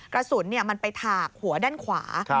กระสุนมันไปถากหัวด้านขวา